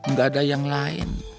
gak ada yang lain